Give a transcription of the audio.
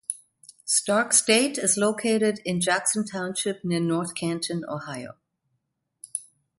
Stark State is located on in Jackson Township near North Canton, Ohio.